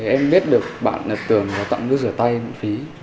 em biết được bạn nhật tường đã tặng nước sửa tay miễn phí